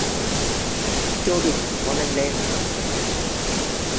โจดูดฝุ่นห้องนั่งเล่น